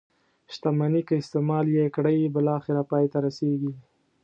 شتمني که استعمال یې کړئ بالاخره پای ته رسيږي.